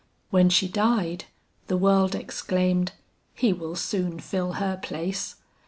When she died, the world exclaimed, 'He will soon fill her place!'